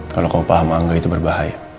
kalau kamu paham angga itu berbahaya